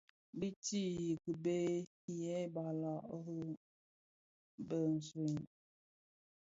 Biitiʼi kibëë yêê balàg rì biswed.